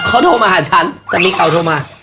เขาโทรมาหาฉันซัมมี่เก่าโทรมา